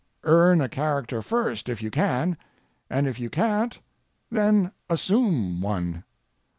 Earn a character first if you can, and if you can't, then assume one.